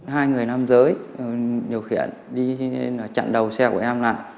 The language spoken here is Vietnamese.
hai người nam giới điều khiển đi chặn đầu xe của em lại